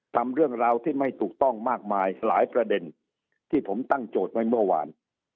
ทำเรื่องราวที่ไม่ถูกต้องมากมายหลายประเด็นที่ผมตั้งโจทย์ไว้เมื่อวาน